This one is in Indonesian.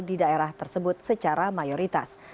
di daerah tersebut secara mayoritas